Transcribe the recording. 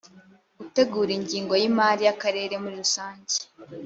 gutegura ingengo y imari y akarere muri rusange